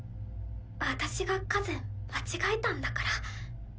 私が数間違えたんだから。